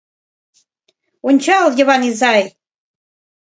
Ончал, Йыван изай!